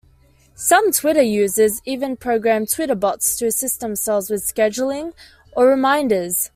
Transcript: Some Twitter users even program Twitterbots to assist themselves with scheduling or reminders.